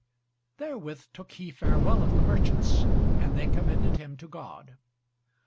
Therewith took he farewell of the merchants, and they commended him to God.